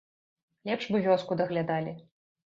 Лепш бы вёску даглядалі.